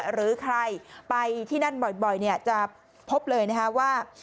หรือใครไปที่นั่นบ่อยจะพบเลยนะคะว่า